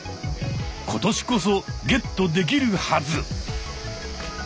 今年こそゲットできるはず。